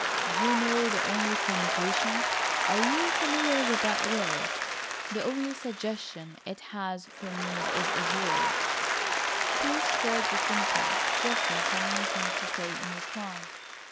Do you know, the only connotation—(are you familiar with that word?)—the only suggestion it has for me is a jury?" He scored distinctly. Geoffrey had nothing to say in reply.